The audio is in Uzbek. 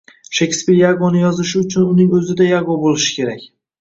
Shekspir Yagoni yozishi uchun uning o‘zida Yago bo‘lishi kerak.